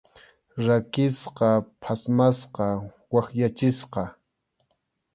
Rakisqa, phatmasqa, wakyachisqa.